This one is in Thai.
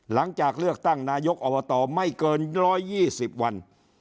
หลังจากเลือกตั้งนายกอบตไม่เกิน๑๒๐วัน